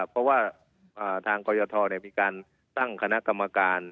เพราะว่าทางกรยทมีการตั้งคณะกรรมการ